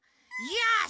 よし！